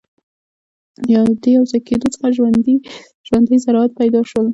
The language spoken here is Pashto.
له دې یوځای کېدو څخه ژوندۍ ذرات پیدا شول.